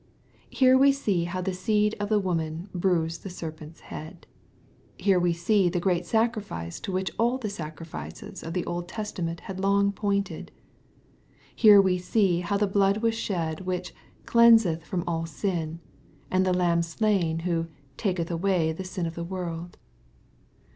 Here we see how the Seed of the woman bruised the Serpent's head. Here we see the great sacrifice to which all the sacrifices of the Old Testament had long pointed. Here we see how the blood was shed which " cleanseth frona all sin," and the Lamb slain who " taketh away the sin of the world.''